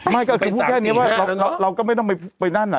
ไม่ก็คือพูดแค่นี้ว่าเราก็ไม่ต้องไปนั่น